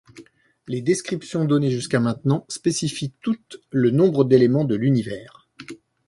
Les descriptions données jusqu'à maintenant spécifient toutes le nombre d'éléments de l'univers.